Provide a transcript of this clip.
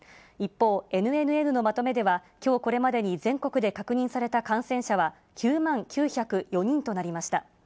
一方、ＮＮＮのまとめでは、きょうこれまでに全国で確認された感染者は、９万９０４人となりました。